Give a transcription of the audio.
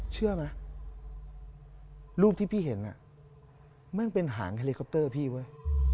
เชื่อไหมรูปที่พี่เห็นแม่งเป็นหางเฮลิคอปเตอร์พี่เว้ย